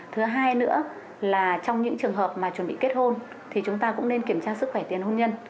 thứ hai nữa là trong những trường hợp mà chuẩn bị kết hôn thì chúng ta cũng nên kiểm tra sức khỏe tiền hôn nhân